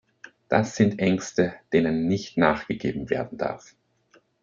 Das sind Ängste, denen nicht nachgegeben werden darf.